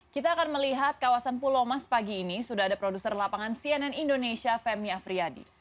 kita akan melihat kawasan pulau mas pagi ini sudah ada produser lapangan cnn indonesia femi afriyadi